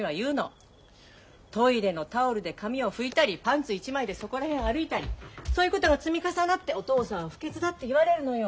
トイレのタオルで髪を拭いたりパンツ一枚でそこら辺歩いたりそういうことが積み重なってお父さんは不潔だって言われるのよ。